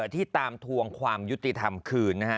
ที่ตามทวงความยุติธรรมคืนนะฮะ